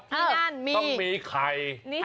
ต้องมีไข่